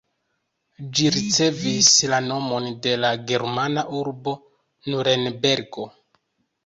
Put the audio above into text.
Ĝi ricevis la nomon de la germana urbo Nurenbergo.